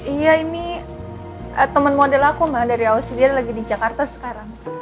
iya ini temen model aku mah dari auxilia lagi di jakarta sekarang